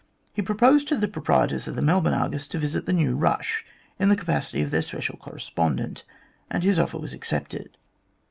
He proposed to the proprietors of the Melbourne Argus to visit the " new rush " in the capacity of their special correspondent, and his offer was accepted.